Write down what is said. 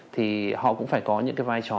thì họ cũng phải có những cái vai trò